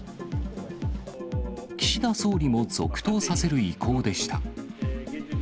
岸田総理も、続投させる意向でした。